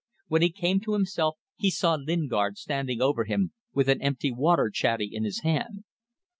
When he came to himself he saw Lingard standing over him, with an empty water chatty in his hand.